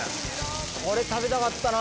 これ食べたかったな。